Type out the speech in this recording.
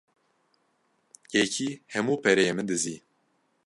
Yekî hemû pereyê min dizî.